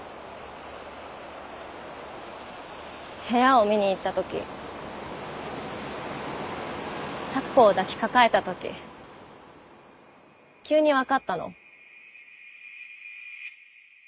部屋を見に行った時咲子を抱きかかえた時急に分かったの。